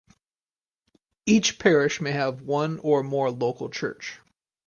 Each parish may have one or more local church.